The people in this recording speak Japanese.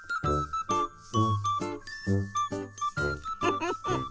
フフフフ。